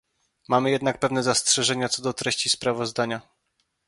Mamy jednak pewne zastrzeżenia co do treści sprawozdania